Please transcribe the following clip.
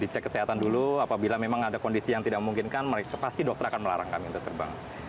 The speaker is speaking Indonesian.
dicek kesehatan dulu apabila memang ada kondisi yang tidak memungkinkan mereka pasti dokter akan melarang kami untuk terbang